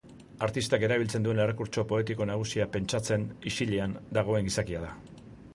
Artistak erabiltzen duen errekurtso poetiko nagusia pentsatzen, isilean, dagoen gizakia da.